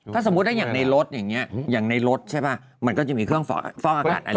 ถ้าสมมุติได้อย่างในรถอย่างนี้อย่างในรถใช่ป่ะมันก็จะมีเครื่องฟอกอากาศอะไร